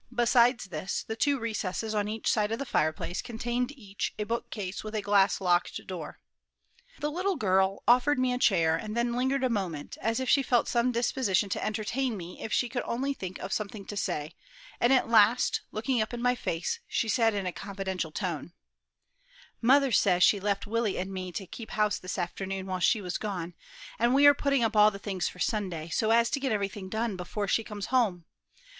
Besides this, the two recesses on each side of the fireplace contained each a bookcase with a glass locked door. The little girl offered me a chair, and then lingered a moment, as if she felt some disposition to entertain me if she could only think of something to say; and at last, looking up in my face, she said in a confidential tone, "Mother says she left Willie and me to keep house this afternoon while she was gone, and we are putting up all the things for Sunday, so as to get everything done before she comes home.